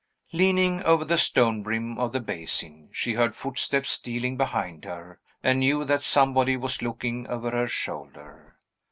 Leaning over the stone brim of the basin, she heard footsteps stealing behind her, and knew that somebody was looking over her shoulder.